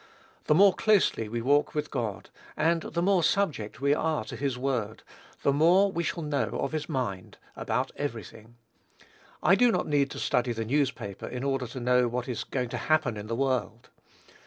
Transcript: The more closely we walk with God, and the more subject we are to his word, the more we shall know of his mind about every thing. I do not need to study the newspaper in order to know what is going to happen in the world.